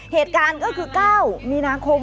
เหตุการณ์ก็คือ๙มีนาคม